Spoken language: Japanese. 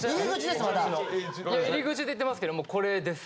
入り口って言ってますけどもうこれです。